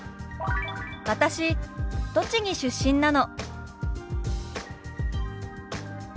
「私栃木出身なの」。